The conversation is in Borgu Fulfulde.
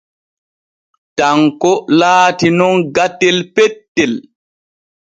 Tanko laati nun gatel pettel.